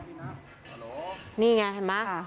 ฮัลโหลนี่ไงเห็นไหม